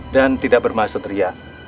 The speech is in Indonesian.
dan tidak bermaksud ria